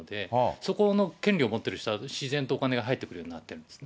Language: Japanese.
そこの権利を持っている人は、自然とお金が入ってくるようになってます。